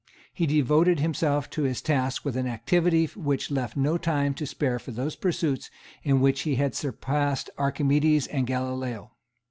He devoted himself to his task with an activity which left him no time to spare for those pursuits in which he had surpassed Archimedes and Galileo.